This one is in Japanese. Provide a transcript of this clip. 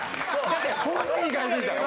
だって本人がいるんだよ！？